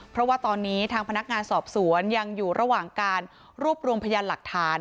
เพราะว่าตอนนี้ทางพนักงานสอบสวนยังอยู่ระหว่างการรวบรวมพยานหลักฐาน